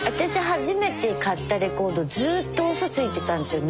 初めて買ったレコードずっとうそついてたんですよ